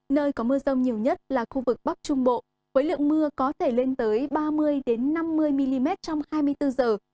nơi có mưa rông nhiều nhất là khu vực bắc trung bộ với lượng mưa có thể lên tới ba mươi năm mươi mm trong hai mươi bốn giờ